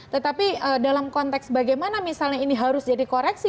tetapi dalam konteks bagaimana misalnya ini harus jadi koreksi